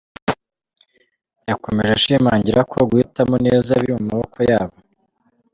Yakomeje ashimangira ko guhitamo neza biri mu maboko yabo.